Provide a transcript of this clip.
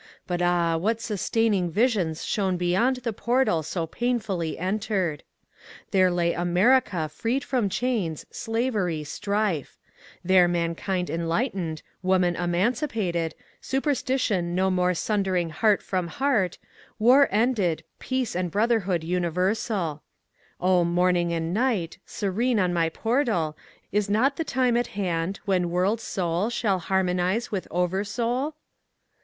But ah, what sustaining visions shone beyond the portal so painfully entered ! There lay America freed from chains, slavery, strife ; there mankind enlightened, woman emancipated, superstition no more sundering heart from heart, war ended, peace and brotherhood universal O Morning and Night, serene on my portal, is not the time at hand when World soul shall har monize with Oversoul?